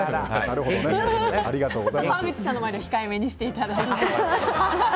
川口さんの前では控えめにしていただいて。